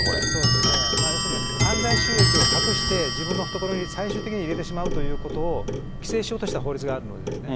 要するに、犯罪収益を隠して自分の懐に最終的に入れてしまうということを規制しようとした法律があるんですね。